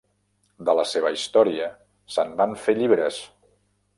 De la seva història se'n van fer llibres.